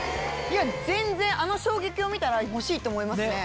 全然あの衝撃を見たら欲しいって思いますね。